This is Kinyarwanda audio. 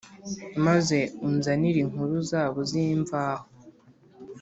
maze unzanire inkuru zabo z’imvaho.